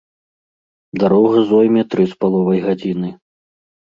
Дарога зойме тры з паловай гадзіны.